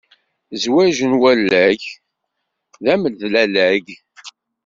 Zzwaǧ n walag d amedlalag.